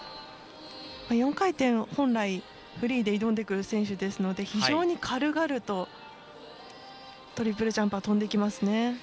４回転を本来フリーで挑んでくる選手ですので非常に軽々とトリプルジャンプは跳んできますね。